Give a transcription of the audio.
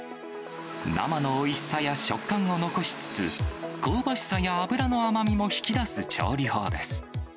生のおいしさや食感を残しつつ、香ばしさや甘みも引き出す調理法です。